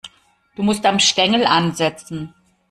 Du musst am Stängel ansetzen.